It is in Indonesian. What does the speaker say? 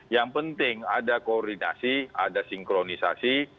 yang penting ada koordinasi ada sinkronisasi